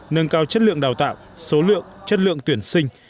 nâng cao chất lượng đào tạo số lượng chất lượng tuyển sinh